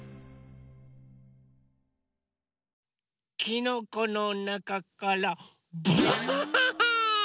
きのこのなかからばあっ！